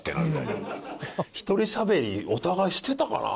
１人しゃべりお互いしてたかな？